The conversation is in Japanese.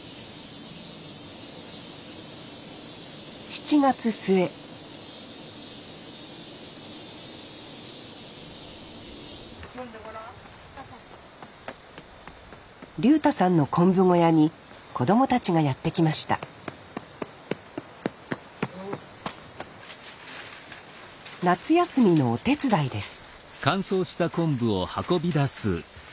７月末竜太さんの昆布小屋に子供たちがやって来ました夏休みのお手伝いです